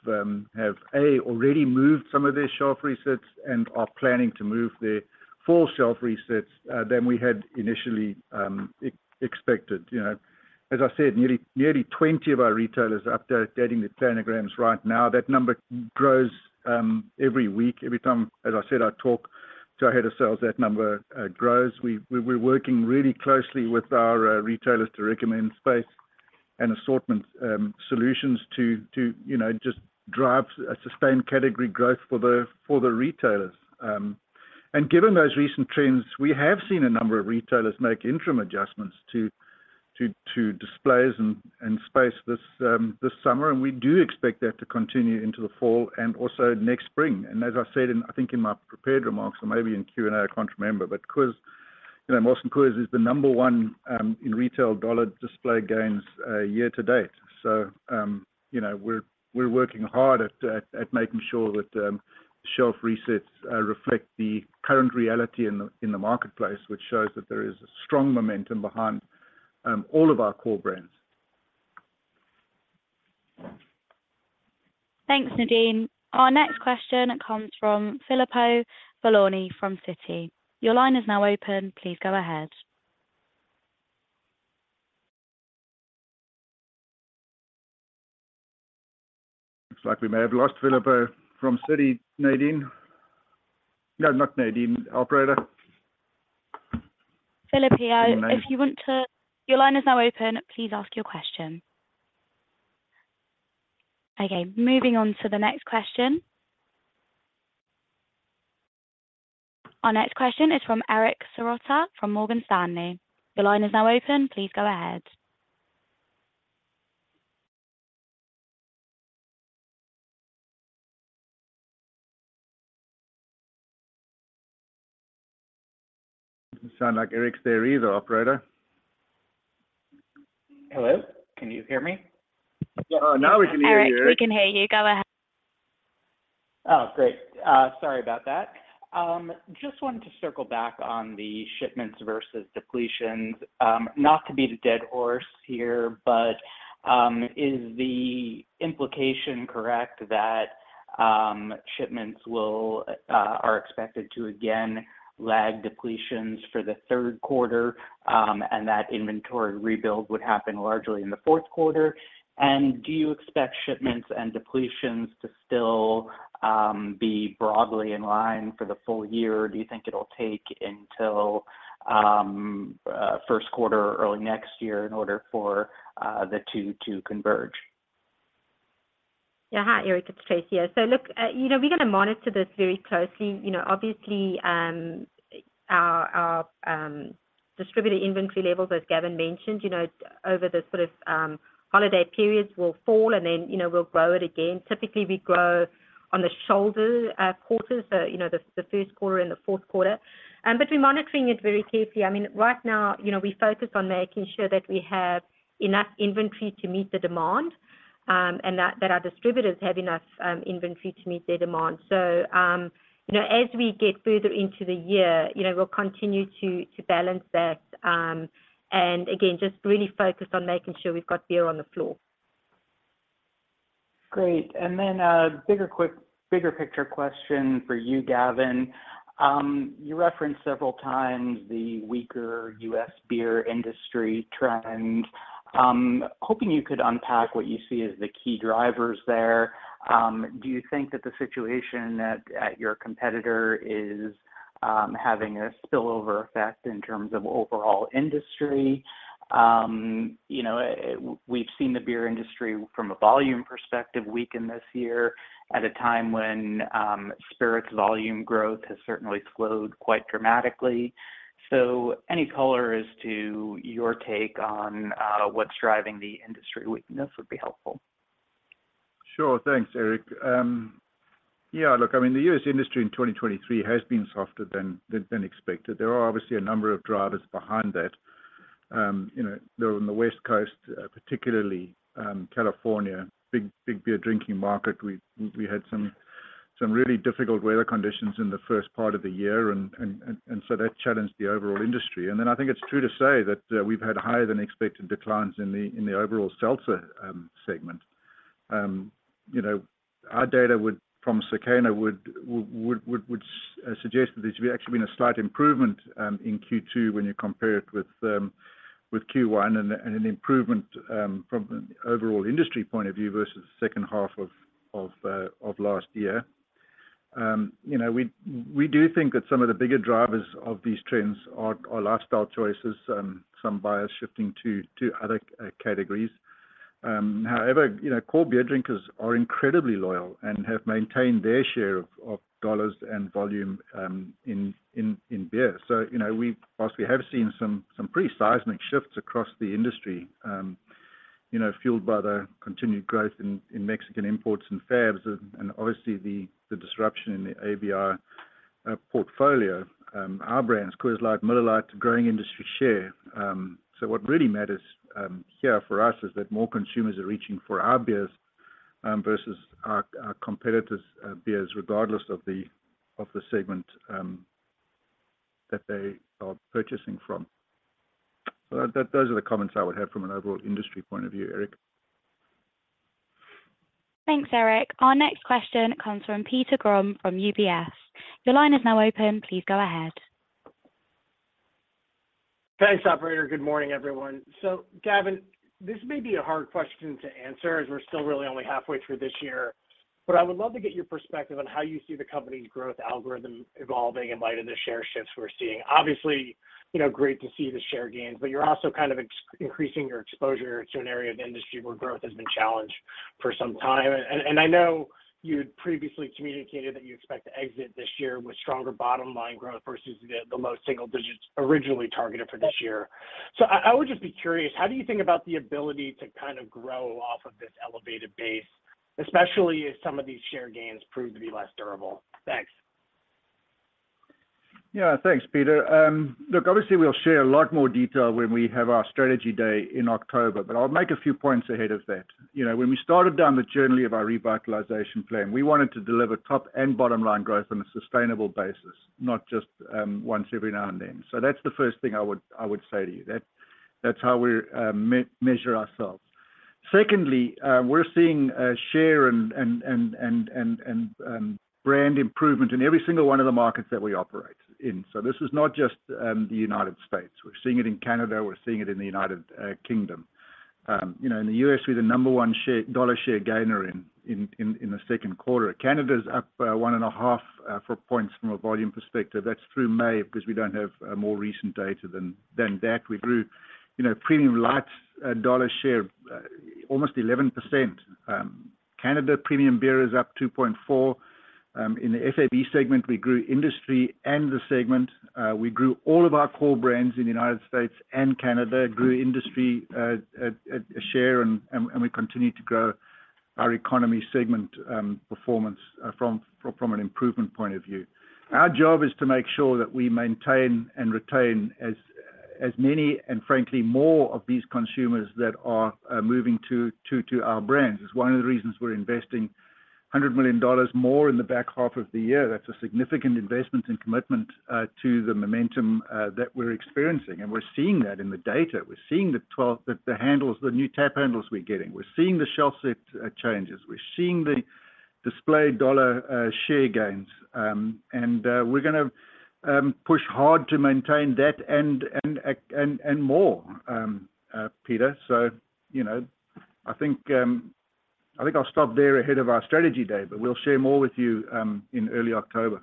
already moved some of their shelf resets and are planning to move their full shelf resets than we had initially expected. You know, as I said, nearly 20 of our retailers are updating their planograms right now. That number grows every week. Every time, as I said, I talk to our head of sales, that number grows. We're working really closely with our retailers to recommend space and assortment solutions to, you know, just drive a sustained category growth for the retailers. Given those recent trends, we have seen a number of retailers make interim adjustments to displays and space this summer, and we do expect that to continue into the fall and also next spring. And as I said in, I think in my prepared remarks or maybe in Q&A, I can't remember, but Coors, you know, Molson Coors is the number 1 in retail dollar display gains year-to-date. You know, we're working hard at making sure that shelf resets reflect the current reality in the marketplace, which shows that there is a strong momentum behind all of our core brands. Thanks, Nadine. Our next question comes from Filippo Falorni from Citi. Your line is now open, please go ahead. Looks like we may have lost Filippo from Citi. Nadine? No, not Nadine, operator. Filippo, your line is now open, please ask your question. Okay, moving on to the next question. Our next question is from Eric Serotta from Morgan Stanley. Your line is now open, please go ahead. Doesn't sound like Eric's there either, operator. Hello, can you hear me? Yeah. Now we can hear you. All right, we can hear you. Go ahead. Oh, great. Sorry about that. Just wanted to circle back on the shipments versus depletions. Not to beat a dead horse here, but is the implication correct that shipments will -- are expected to again lag depletions for the third quarter, and that inventory rebuild would happen largely in the fourth quarter? Do you expect shipments and depletions to still be broadly in line for the full year, or do you think it'll take until first quarter, early next year in order for the two to converge? Yeah. Hi, Eric, it's Tracey. Look, you know, we're gonna monitor this very closely. You know, obviously, our distributor inventory levels, as Gavin mentioned, you know, over the sort of holiday periods will fall, and then, you know, we'll grow it again. Typically, we grow on the shoulder quarters, so, you know, the first quarter and the fourth quarter. We're monitoring it very carefully. I mean, right now, you know, we focus on making sure that we have enough inventory to meet the demand, and that our distributors have enough inventory to meet their demand. So, you know, as we get further into the year, you know, we'll continue to balance that. Again, just really focused on making sure we've got beer on the floor. Great. Then, bigger quick -- bigger picture question for you, Gavin. You referenced several times the weaker U.S. beer industry trend. I'm hoping you could unpack what you see as the key drivers there. Do you think that the situation at your competitor is having a spillover effect in terms of overall industry? You know, we've seen the beer industry, from a volume perspective, weaken this year at a time when spirits volume growth has certainly slowed quite dramatically. Any color as to your take on what's driving the industry weakness would be helpful. Sure. Thanks, Eric. Yeah, look, I mean, the U.S. industry in 2023 has been softer than expected. There are obviously a number of drivers behind that. You know, though on the West Coast, particularly, California, big beer drinking market, we had some really difficult weather conditions in the first part of the year, and so that challenged the overall industry. I think it's true to say that we've had higher than expected declines in the overall Seltzer segment. You know, our data from Circana would suggest that there's actually been a slight improvement in Q2 when you compare it with Q1, and an improvement from an overall industry point of view versus the second half of last year. You know, we do think that some of the bigger drivers of these trends are lifestyle choices, some buyers shifting to other categories. However, you know, core beer drinkers are incredibly loyal and have maintained their share of dollars and volume in beer. You know, we've -- whilst we have seen some, some pretty seismic shifts across the industry, you know, fueled by the continued growth in Mexican imports and FABs, and obviously, the disruption in the ABI portfolio, our brands, Coors Light, Miller Lite, growing industry share. What really matters, here for us, is that more consumers are reaching for our beers, versus our competitors' beers regardless of the segment that they are purchasing from. Those are the comments I would have from an overall industry point of view, Eric. Thanks, Eric. Our next question comes from Peter Grom from UBS. Your line is now open. Please go ahead. Thanks, operator. Good morning, everyone. So, Gavin, this may be a hard question to answer, as we're still really only halfway through this year, but I would love to get your perspective on how you see the Company's growth algorithm evolving in light of the share shifts we're seeing. Obviously, you know, great to see the share gains, but you're also kind of increasing your exposure to an area of the industry where growth has been challenged for some time. I know you had previously communicated that you expect to exit this year with stronger bottomline growth versus the low single digits originally targeted for this year. I would just be curious, how do you think about the ability to kind of grow off of this elevated base, especially if some of these share gains prove to be less durable? Thanks. Thanks, Peter. Look, obviously, we'll share a lot more detail when we have our strategy day in October, but I'll make a few points ahead of that. You know, when we started down the journey of our revitalization plan, we wanted to deliver top and bottomline growth on a sustainable basis, not just once every now and then. That's the first thing I would, I would say to you. That, that's how we measure ourselves. Secondly, we're seeing share and brand improvement in every single one of the markets that we operate in. This is not just the United States. We're seeing it in Canada, we're seeing it in the United Kingdom. You know, in the U.S., we're the number one share -- dollar share gainer in the second quarter. Canada's up 1.5-4 points from a volume perspective. That's through May, because we don't have more recent data than that. We grew, you know, premium lights, dollar share almost 11%. Canada, premium beer is up 2.4%. In the FAB segment, we grew industry and the segment. We grew all of our core brands in the United States and Canada, grew industry a share, and we continued to grow our economy segment performance from an improvement point of view. Our job is to make sure that we maintain and retain as many, and frankly, more of these consumers that are moving to our brands. It's one of the reasons we're investing $100 million more in the back half of the year. That's a significant investment and commitment, to the momentum, that we're experiencing. We're seeing that in the data. We're seeing the twelve -- the handles, the new tap handles we're getting. We're seeing the shelf set changes. We're seeing the display dollar share gains. And we're gonna push hard to maintain that and more, Peter. You know, I think I'll stop there ahead of our Strategy Day, but we'll share more with you, in early October.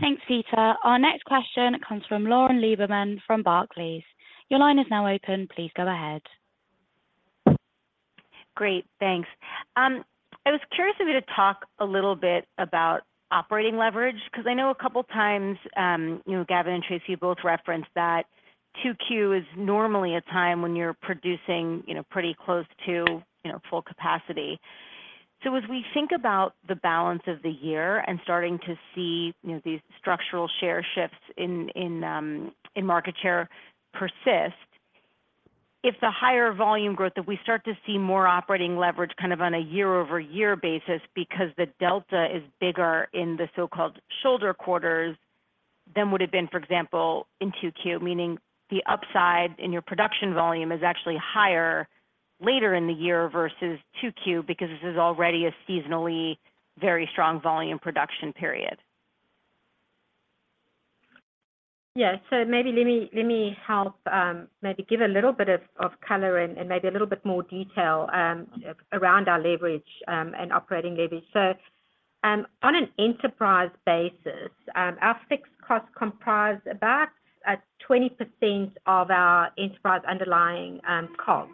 Thanks, Peter. Our next question comes from Lauren Lieberman from Barclays. Your line is now open. Please go ahead. Great. Thanks. I was curious if you could talk a little bit about operating leverage, because I know a couple of times, you know, Gavin and Tracey, you both referenced that 2Q is normally a time when you're producing, you know, pretty close to, you know, full capacity. As we think about the balance of the year and starting to see, you know, these structural share shifts in market share persist, if the higher volume growth, that we start to see more operating leverage kind of on a year-over-year basis, because the delta is bigger in the so-called shoulder quarters than would have been, for example, in 2Q, meaning the upside in your production volume is actually higher later in the year versus 2Q, because this is already a seasonally very strong volume production period? Yes, maybe let me help, maybe give a little bit of color and maybe a little bit more detail around our leverage and operating [leverage]. And on an enterprise basis, our fixed costs comprise about 20% of our enterprise underlying COGS.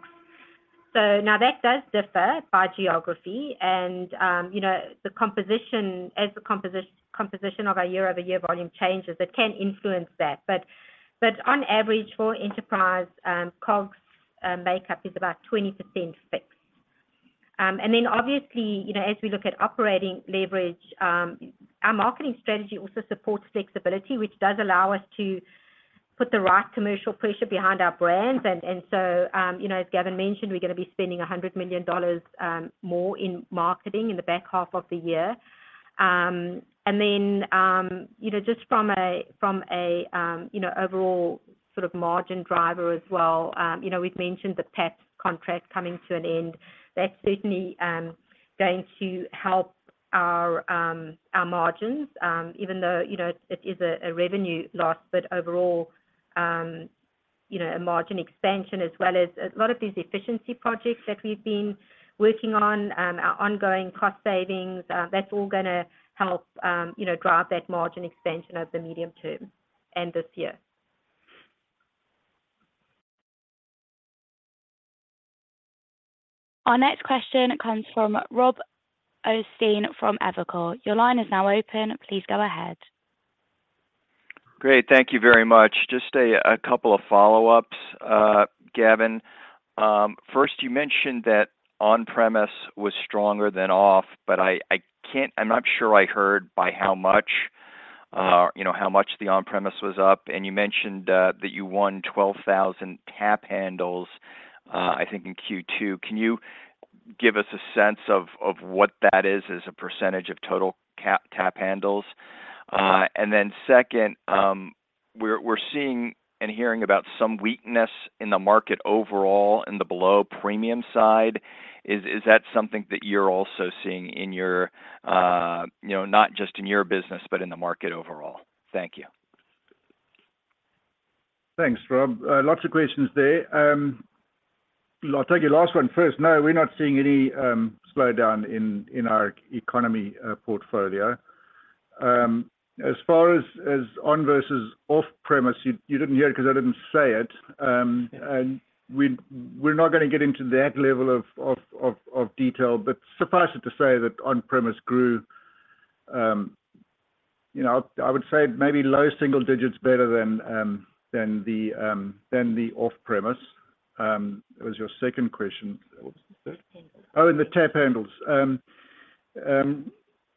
Now that does differ by geography and, you know, the composition -- as the composition of our year-over-year volume changes, it can influence that. But on average, for enterprise COGS, makeup is about 20% fixed. Then obviously, you know, as we look at operating leverage, our marketing strategy also supports flexibility, which does allow us to put the right commercial pressure behind our brands. And, you know, as Gavin mentioned, we're gonna be spending $100 million more in marketing in the back half of the year. And then, you know, just from a, you know, overall sort of margin driver as well, you know, we've mentioned the Pabst contract coming to an end. That's certainly going to help our margins, even though, you know, it is a, a revenue loss, but overall, you know, a margin expansion as well as a lot of these efficiency projects that we've been working on, our ongoing cost savings, that's all gonna help, you know, drive that margin expansion over the medium term and this year. Our next question comes from Robert Ottenstein from Evercore. Your line is now open. Please go ahead. Great. Thank you very much. Just a couple of follow-ups, Gavin. First, you mentioned that on-premise was stronger than off, but I, I can't -- I'm not sure I heard by how much, you know, how much the on-premise was up, and you mentioned that you won 12,000 tap handles, I think in Q2. Can you give us a sense of, of what that is as a percentage of total tap handles? Then second, we're seeing and hearing about some weakness in the market overall in the below premium side. Is that something that you're also seeing in your, you know, not just in your business, but in the market overall? Thank you. Thanks, Rob. lots of questions there. I'll take your last one first. No, we're not seeing any slowdown in our economy portfolio. As far as, on versus off-premise, you didn't hear it because I didn't say it. We're not gonna get into that level of detail, but suffice it to say that on-premise grew, you know, I would say maybe low single digits better than the off-premise. What was your second question? Oh, the tap handles.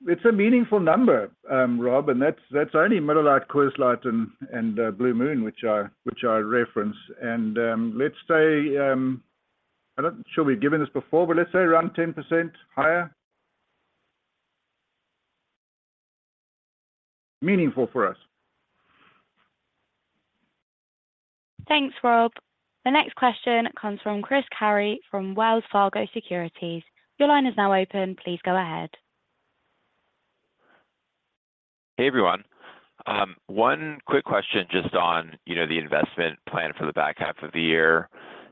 It's a meaningful number, Rob, and that's only Miller Lite, Coors Light, and Blue Moon, which I referenced. Let's say, I'm not sure we've given this before, but let's say around 10% higher. Meaningful for us. Thanks, Rob. The next question comes from Chris Carey from Wells Fargo Securities. Your line is now open. Please go ahead. Hey, everyone. One quick question just on, you know, the investment plan for the back half of the year.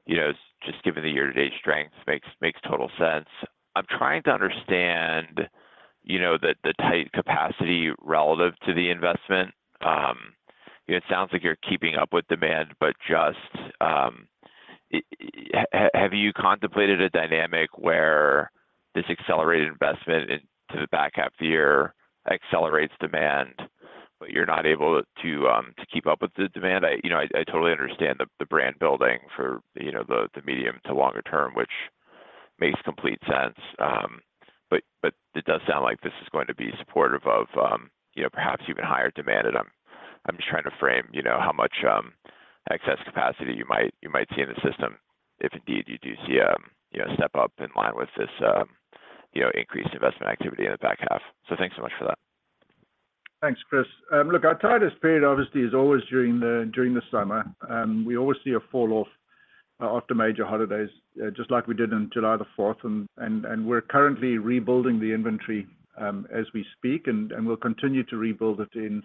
You know, just given the year-to-date strength makes total sense. I'm trying to understand, you know, the, the tight capacity relative to the investment. It sounds like you're keeping up with demand, but just have you contemplated a dynamic where this accelerated investment into the back half of the year accelerates demand, but you're not able to keep up with the demand? I, you know, I, I totally understand the, the brand building for, you know, the, the medium to longer term, which makes complete sense. It does sound like this is going to be supportive of, you know, perhaps even higher demand, and I'm just trying to frame, you know, how much excess capacity you might see in the system, if indeed you do see a step up in line with this, you know, increased investment activity in the back half? So, thanks so much for that. Thanks, Chris. Look, our tightest period obviously is always during the summer. We always see a fall-off after major holidays, just like we did in July 4th. And we're currently rebuilding the inventory as we speak, and we'll continue to rebuild it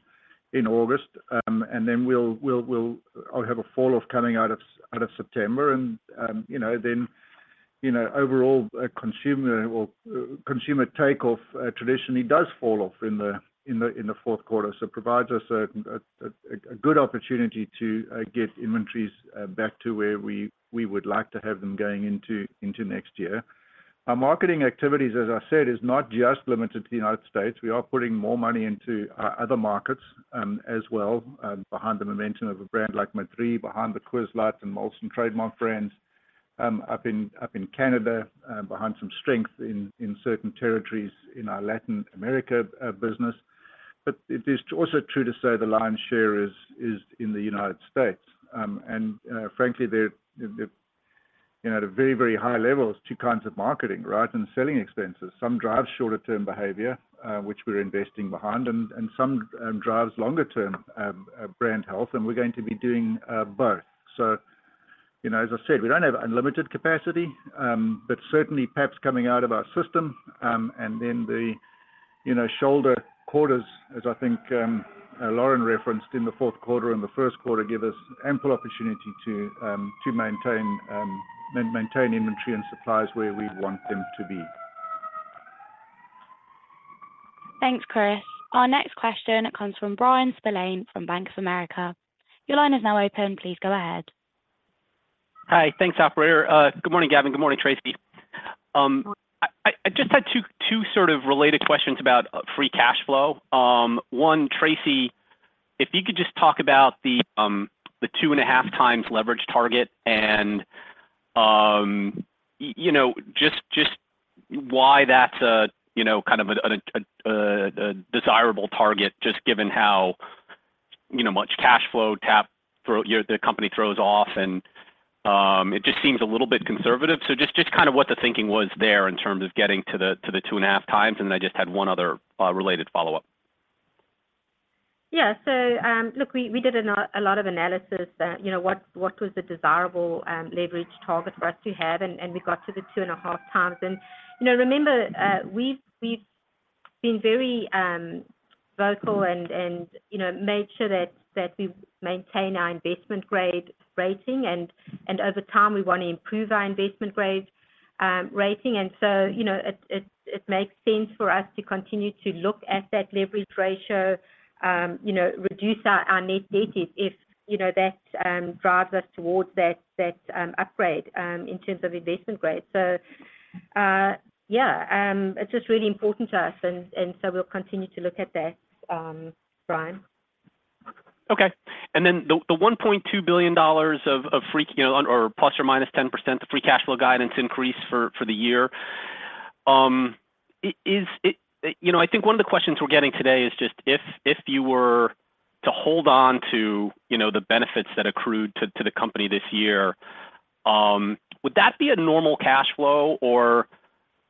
in August and then we'll -- or have a fall off coming out of September. You know, then, you know, overall, a consumer or consumer take off traditionally does fall off in the fourth quarter. It provides us a good opportunity to get inventories back to where we would like to have them going into next year. Our marketing activities, as I said, is not just limited to the United States. We are putting more money into our other markets, as well, behind the momentum of a brand like Madri, behind the Coors Light and Molson trademark brands up in Canada, behind some strength in certain territories in our Latin America business. It is also true to say the lion's share is in the United States. And frankly, there, you know, at a very, very high levels, two kinds of marketing, right, and selling expenses. Some drive shorter term behavior, which we're investing behind, and some, drives longer term brand health, and we're going to be doing, both. So, you know, as I said, we don't have unlimited capacity, but certainly Pabst coming out of our system, and then the, you know, shoulder quarters, as I think, Lauren referenced in the fourth quarter and the first quarter, give us ample opportunity to maintain inventory and supplies where we'd want them to be. Thanks, Chris. Our next question comes from Bryan Spillane from Bank of America. Your line is now open. Please go ahead. Hi. Thanks, operator. Good morning, Gavin. Good morning, Tracey. I, I just had two sort of related questions about free cash flow. One, Tracey, if you could just talk about the 2.5x leverage target and, you know, just why that's a, you know, kind of a desirable target, just given how, you know, much cash flow, [tap throw] the company throws off, and it just seems a little bit conservative. Just, just kind of what the thinking was there in terms of getting to the 2.5x, and then I just had 1 other related follow-up. Yeah. Look, we did a lot of analysis that, you know, what was the desirable leverage target for us to have, and we got to this 2.5x. You know, remember, we've been very vocal and, you know, made sure that we maintain our investment grade rating, and over time we wanna improve our investment grade rating. So, you know, it makes sense for us to continue to look at that leverage ratio, you know, reduce our net debt if, you know, that drives us towards that, that upgrade in terms of investment grade. So, yeah, it's just really important to us, and so we'll continue to look at that, Bryan. Okay. Then, the $1.2 billion of free --, you know, or ±10%, the free cash flow guidance increase for the year, is it? You know, I think one of the questions we're getting today is, just if you were to hold on to, you know, the benefits that accrued to the Company this year, would that be a normal cash flow? Or,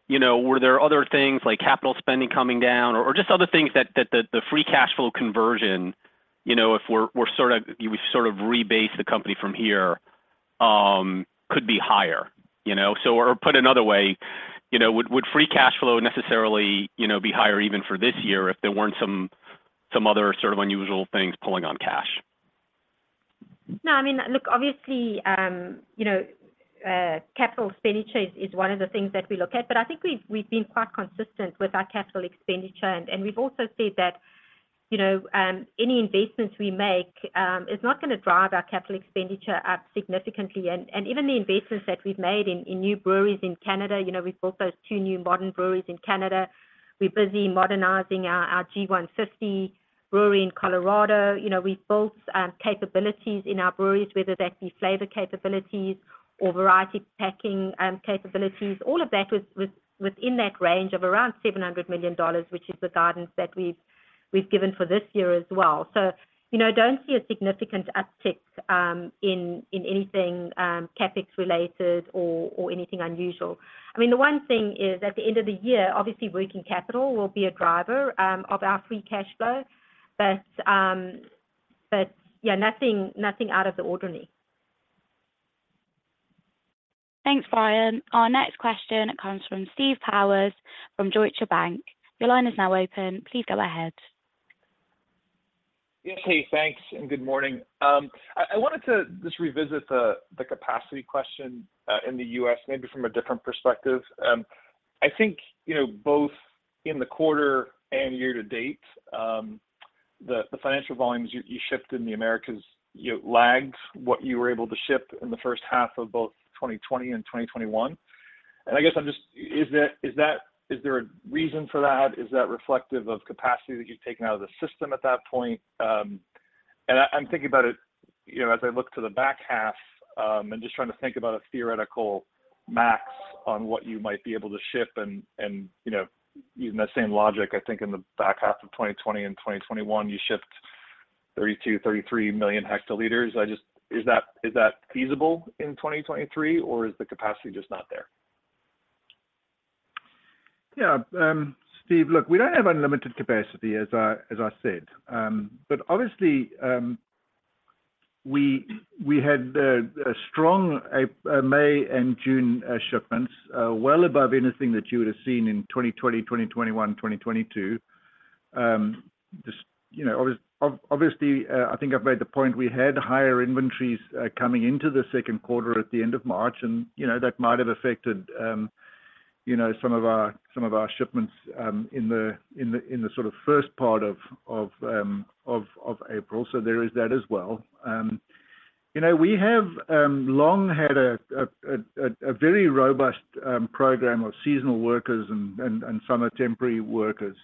you know, were there other things like capital spending coming down or just other things that the free cash flow conversion, you know, if we're sort of -- we sort of rebase the company from here, could be higher, you know? Or put another way, you know, would free cash flow necessarily, you know, be higher even for this year if there weren't some other sort of unusual things pulling on cash? No, I mean, look, obviously, you know, capital expenditures is one of the things that we look at, but I think we've been quite consistent with our capital expenditure. We've also said that, you know, any investments we make, is not gonna drive our capital expenditure up significantly. Even the investments that we've made in new breweries in Canada, you know, we've built those two new modern breweries in Canada. We're busy modernizing our G150 brewery in Colorado. You know, we've built capabilities in our breweries, whether that be flavor capabilities or variety packing capabilities. All of that was within that range of around $700 million, which is the guidance that we've given for this year as well. You know, don't see a significant uptick in anything, CapEx related or anything unusual. I mean, the one thing is, at the end of the year, obviously, working capital will be a driver of our free cash flow, but yeah, nothing, nothing out of the ordinary. Thanks, Bryan. Our next question comes from Steve Powers from Deutsche Bank. Your line is now open. Please go ahead. Yes. Hey, thanks, and good morning. I, I wanted to just revisit the capacity question in the U.S., maybe from a different perspective. I think, you know, both in the quarter and year-to-date, the financial volumes you shipped in the Americas, you know, lagged what you were able to ship in the first half of both 2020 and 2021. I guess I'm just -- is there a reason for that? Is that reflective of capacity that you've taken out of the system at that point? I, I'm thinking about it, you know, as I look to the back half, just trying to think about a theoretical max on what you might be able to ship. And, you know, using that same logic, I think in the back half of 2020 and 2021, you shipped 32 million hectoliters-33 million hectoliters. I just. Is that, is that feasible in 2023, or is the capacity just not there? Yeah, Steve, look, we don't have unlimited capacity, as I said. Obviously, we had a strong May and June shipments, well above anything that you would have seen in 2020, 2021, 2022. Just, you know, obviously, I think I've made the point we had higher inventories coming into the second quarter at the end of March, and, you know, that might have affected, you know, some of our shipments in the sort of first part of April. So there is that as well. You know, we have long had a very robust program of seasonal workers and [some are] temporary workers,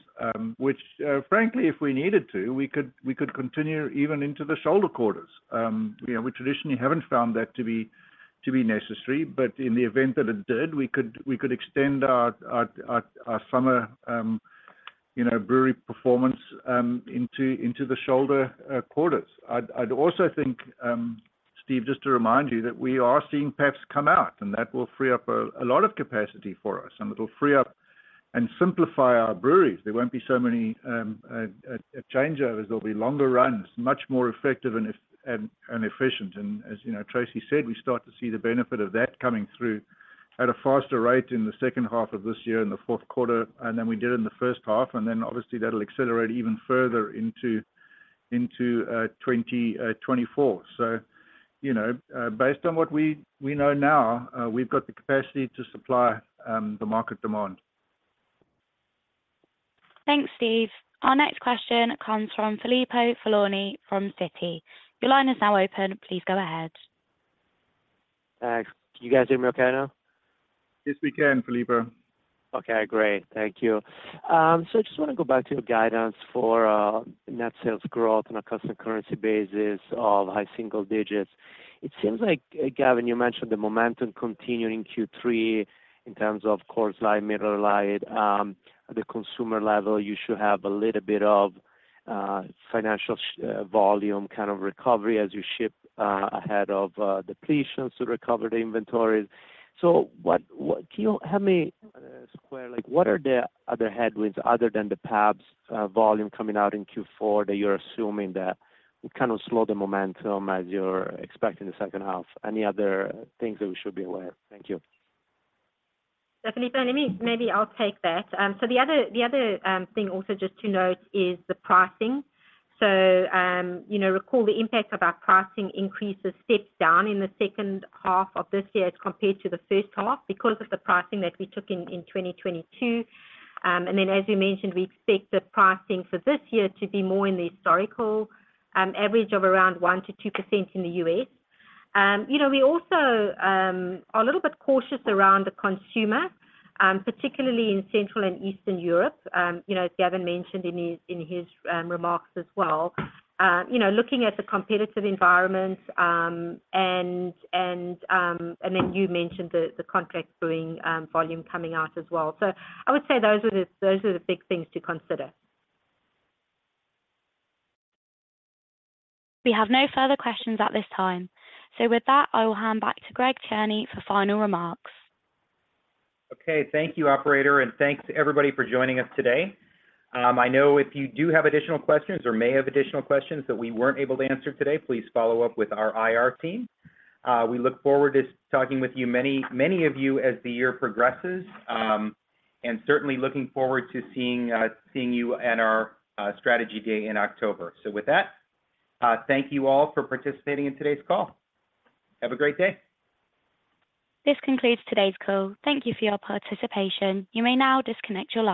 which frankly, if we needed to, we could continue even into the shoulder quarters. You know, we traditionally haven't found that to be necessary, but in the event that it did, we could extend our [some of our] --, you know, brewery performance into the shoulder quarters. I'd also think, Steve, just to remind you that we are seeing Pabst come out, and that will free up a lot of capacity for us, and it'll free up and simplify our breweries. There won't be so many changeovers. There'll be longer runs, much more effective and efficient. As you know, Tracey said, we start to see the benefit of that coming through at a faster rate in the second half of this year, in the fourth quarter, and then we did in the first half, and then obviously, that'll accelerate even further into 2024. So, you know, based on what we know now, we've got the capacity to supply the market demand. Thanks, Steve. Our next question comes from Filippo Falorni from Citi. Your line is now open. Please go ahead. Thanks. Can you guys hear me okay now? Yes, we can, Filippo. Okay, great. Thank you. I just want to go back to your guidance for net sales growth on a constant currency basis of high single digits. It seems like, Gavin, you mentioned the momentum continuing in Q3 in terms of Coors Light, Miller Lite. At the consumer level, you should have a little bit of financial volume kind of recovery as you ship ahead of depletions to recover the inventories. So, can you help me square, like, what are the other headwinds other than the Pabst volume coming out in Q4, that you're assuming that would kind of slow the momentum as you're expecting the second half? Any other things that we should be aware of? Thank you. Filippo, let me-- maybe I'll take that. The other thing also just to note is the pricing. You know, recall the impact of our pricing increases stepped down in the second half of this year as compared to the first half because of the pricing that we took in 2022. Then, as we mentioned, we expect the pricing for this year to be more in the historical average of around 1%-2% in the U.S. You know, we also are a little bit cautious around the consumer, particularly in Central and Eastern Europe. You know, as Gavin mentioned in his remarks as well, you know, looking at the competitive environment, and then you mentioned the contract brewing volume coming out as well. So I would say those are the big things to consider. We have no further questions at this time. With that, I will hand back to Greg Tierney for final remarks. Okay, thank you, operator, and thanks to everybody for joining us today. I know if you do have additional questions or may have additional questions that we weren't able to answer today, please follow up with our IR team. We look forward to talking with you, many, many of you, as the year progresses, and certainly looking forward to seeing you at our Strategy Day in October. With that, thank you all for participating in today's call. Have a great day. This concludes today's call. Thank you for your participation. You may now disconnect your line.